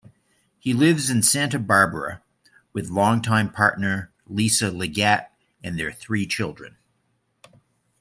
He lives in Santa Barbara with longtime partner Lissa Liggett and their three children.